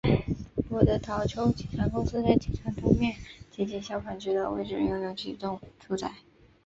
罗德岛州机场公司在机场东面接近消防局的位置拥有几幢住宅。